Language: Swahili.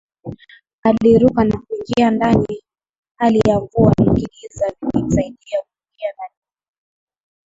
Aliruka na kuingia ndani hali ya mvua na kigiza vilimsaidia kuingia ndani humo